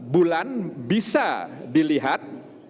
bulan bisa dilihat